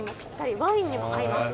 ワインにも合います」